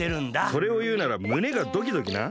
それをいうなら胸がドキドキな。